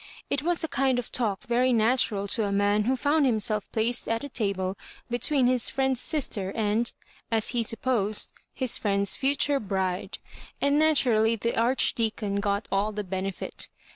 It was a kind of talk very natural to a man who found himself placed at table between his friend's sister, and, as he supposed, his friend's future bride. And naturally the Archdeacon got all the benefit.